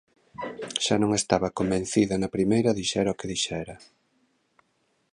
Xa non estaba convencida na primeira dixera o que lle dixera.